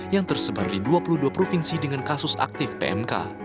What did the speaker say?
yang tersebar di dua puluh dua provinsi dengan kasus aktif pmk